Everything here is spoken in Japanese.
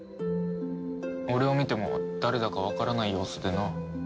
俺を見ても誰だかわからない様子でな。